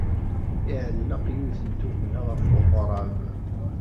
Iɛelleq yiwet n tugna ɣef weɣrab.